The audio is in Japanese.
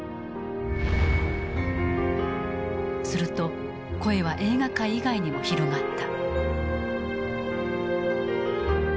すると声は映画界以外にも広がった。